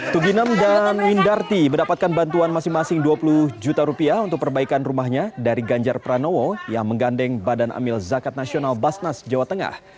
tuginem dan windarti mendapatkan bantuan masing masing dua puluh juta rupiah untuk perbaikan rumahnya dari ganjar pranowo yang menggandeng badan amil zakat nasional basnas jawa tengah